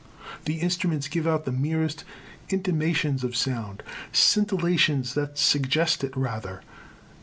The instruments give out the merest intimations of sound, scintillations that suggest it rather.